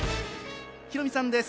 ヒロミさんです。